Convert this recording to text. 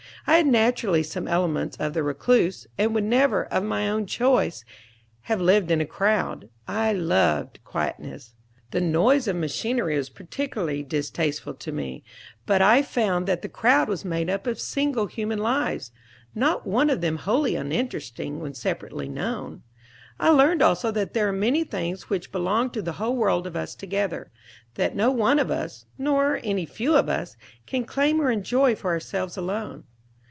I had naturally some elements of the recluse, and would never, of my own choice, have lived in a crowd. I loved quietness. The noise of machinery was particularly distasteful to me. But I found that the crowd was made up of single human lives, not one of them wholly uninteresting, when separately known. I learned also that there are many things which belong to the whole world of us together, that no one of us, nor any few of us, can claim or enjoy for ourselves alone.